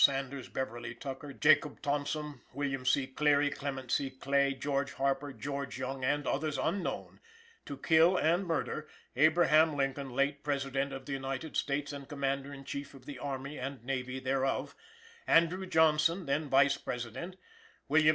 Sanders, Beverley Tucker, Jacob Thompson, William C. Cleary, Clement C. Clay, George Harper, George Young and others unknown, to kill and murder" "Abraham Lincoln, late President of the United States and Commander in Chief of the Army and Navy thereof, Andrew Johnson, then Vice President, Wm.